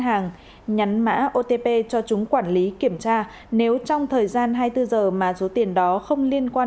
hàng nhắn mã otp cho chúng quản lý kiểm tra nếu trong thời gian hai mươi bốn giờ mà số tiền đó không liên quan